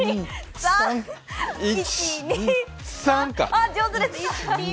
あっ、上手です。